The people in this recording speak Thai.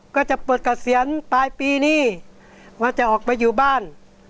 ก็จะเปิดเกษียณปลายปีนี้ว่าจะออกไปอยู่บ้าน